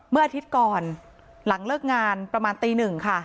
เมื่ออาทิตย์ก่อนหลังเลิกงานประมาณตีหนึ่งค่ะ